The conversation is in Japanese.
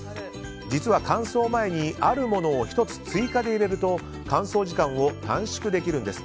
実は、乾燥前にあるものを１つ追加で入れると乾燥時間を短縮できるんです。